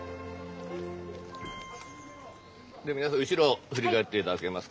皆さん後ろ振り返って頂けますか？